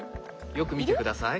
よく見て下さい。